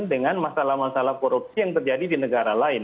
dengan masalah masalah korupsi yang terjadi di negara lain